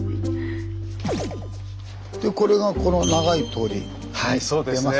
でこれがこの長い通りに出ますね。